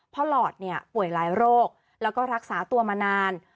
หลอดเนี่ยป่วยหลายโรคแล้วก็รักษาตัวมานาน